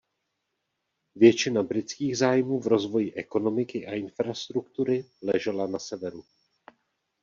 Většina britských zájmů v rozvoji ekonomiky a infrastruktury ležela na severu.